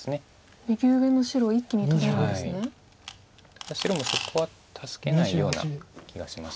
ただ白もそこは助けないような気がします。